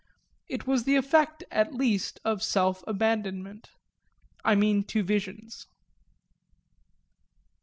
It was the effect at least of self abandonment I mean to visions.